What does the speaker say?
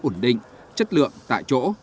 ổn định chất lượng tại chỗ